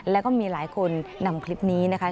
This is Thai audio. แล้วก็มีหลายคนนำคลิปนี้นะคะ